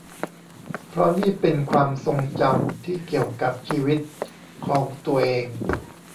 เพราะนี่เป็นความทรงจำที่เกี่ยวกับชีวิตของตัวเอง